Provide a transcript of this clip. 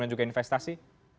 dan juga investasi